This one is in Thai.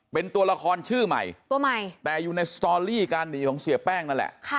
เป็นตัวละครชื่อใหม่ตัวใหม่แต่อยู่ในสตอรี่การหนีของเสียแป้งนั่นแหละ